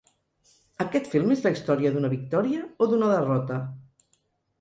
Aquest film és la història d’una victòria o d’una derrota?